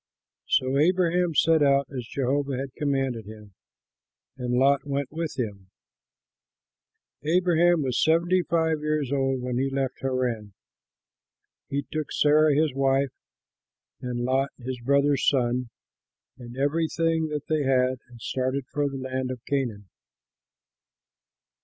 So Abraham set out, as Jehovah had commanded him; and Lot went with him. Abraham was seventy five years old when he left Haran. He took Sarah his wife and Lot his brother's son and everything that they had, and started for the land of Canaan.